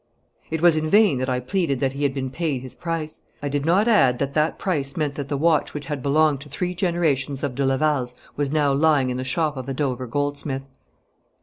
It was in vain that I pleaded that he had been paid his price. I did not add that that price meant that the watch which had belonged to three generations of de Lavals was now lying in the shop of a Dover goldsmith.